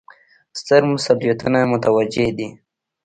ستر مسوولیتونه متوجه دي.